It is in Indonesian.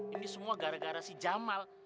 ini semua gara gara si jamal